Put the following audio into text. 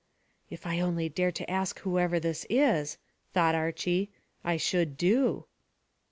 "If I only dared ask whoever this is," thought Archy, "I should do."